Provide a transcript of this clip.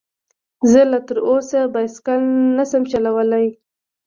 زه لا تر اوسه بايسکل نشم چلولی